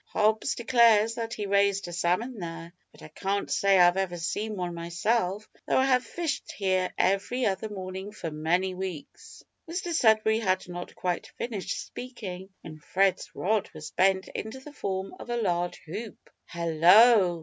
Hobbs declares that he raised a salmon there; but I can't say I've ever seen one myself; though I have fished here every other morning for many weeks." Mr Sudberry had not quite finished speaking when Fred's rod was bent into the form of a large hoop. "Hallo!